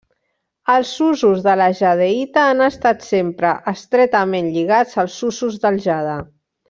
Els usos de la jadeïta han estat sempre estretament lligats als usos del jade.